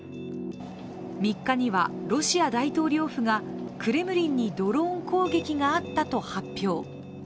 ３日には、ロシア大統領府がクレムリンにドローン攻撃があったと発表。